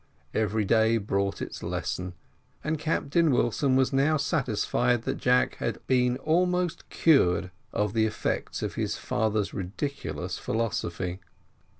Every day brought its lesson, and Captain Wilson was now satisfied that Jack had been almost cured of the effects of his father's ridiculous philosophy.